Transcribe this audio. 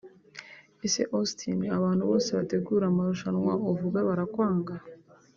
Ese Austin abantu bose bategura amarushanwa uvuga barakwanga